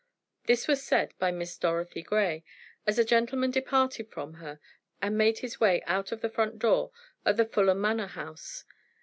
This was said by Miss Dorothy Grey, as a gentleman departed from her and made his way out of the front door at the Fulham Manor house.